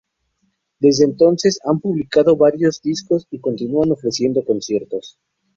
Desde entonces han publicado varios discos y continúan ofreciendo conciertos.